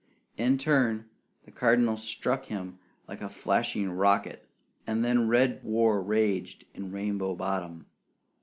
In turn the Cardinal struck him like a flashing rocket, and then red war waged in Rainbow Bottom.